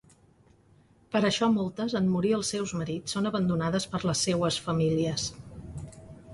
Per això moltes —en morir els seus marits— són abandonades per les seues famílies.